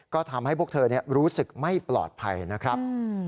ก็ทำให้พวกเธอรู้สึกไม่ปลอดภัยนะครับ